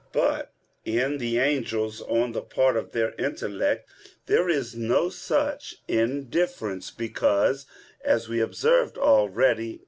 But in the angels on the part of their intellect there is no such indifference; because, as was observed already (Q.